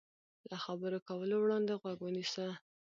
له خبرو کولو وړاندې غوږ ونیسه.